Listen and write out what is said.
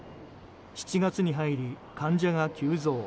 ７月に入り、患者が急増。